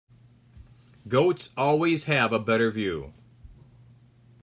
Goats always have a better view.